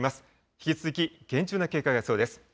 引き続き厳重な警戒が必要です。